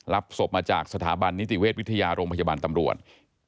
ศพมาจากสถาบันนิติเวชวิทยาโรงพยาบาลตำรวจ